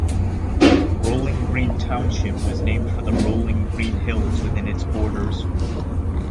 Rolling Green Township was named for the rolling green hills within its borders.